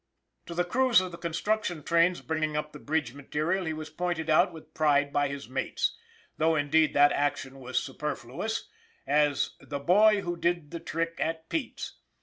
To the crews of the construction trains bringing up the bridge material he was pointed out with pride by his mates though, indeed, that action was superfluous as " the boy who did the trick at Pete's."